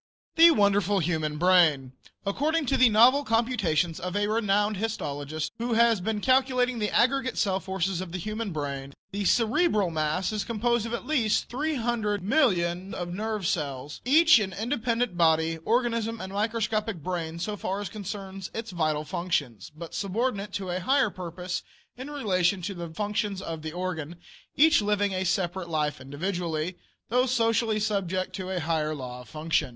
THE WONDERFUL HUMAN BRAIN. According to the novel computations of a renowned histologist, who has been calculating the aggregate cell forces of the human brain, the cerebral mass is composed of at least 300,000,000 of nerve cells, each an independent body, organism, and microscopic brain so far as concerns its vital functions, but subordinate to a higher purpose in relation to the functions of the organ; each living a separate life individually, though socially subject to a higher law of function.